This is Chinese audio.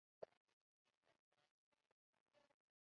权臣郑检拥立黎除的后裔黎维邦做皇帝。